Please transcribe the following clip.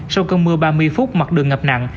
sau cơn mưa ba mươi phút mặt đường ngập nặng